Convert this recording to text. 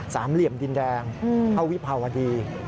เหลี่ยมดินแดงเข้าวิภาวดี